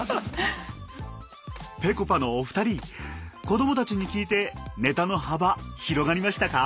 ぺこぱのお二人子どもたちに聞いてネタの幅広がりましたか？